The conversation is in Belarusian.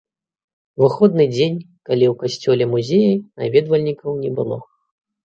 Выходны дзень, калі ў касцёле-музеі наведвальнікаў не было.